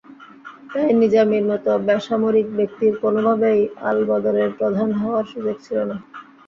তাই নিজামীর মতো বেসামরিক ব্যক্তির কোনোভাবেই আলবদরের প্রধান হওয়ার সুযোগ ছিল না।